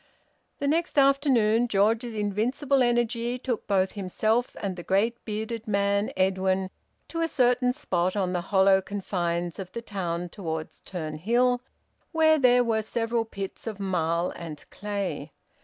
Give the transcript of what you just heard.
The next afternoon George's invincible energy took both himself and the great bearded man, Edwin, to a certain spot on the hollow confines of the town towards Turnhill, where there were several pits of marl and clay.